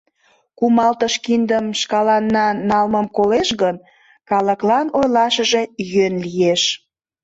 Кумалтыш киндым шкаланна налмым колеш гын, калыклан ойлашыже йӧн лиеш.